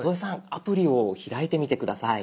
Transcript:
アプリを開いてみて下さい。